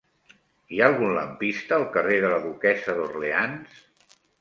Hi ha algun lampista al carrer de la Duquessa d'Orleans?